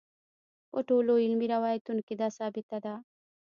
په ټولو علمي روایتونو کې دا ثابته ده.